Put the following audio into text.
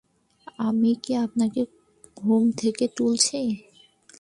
আমি কি আপনাকে ঘুম থেকে তুলেছি?